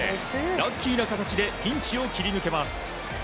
ラッキーな形でピンチを切り抜けます。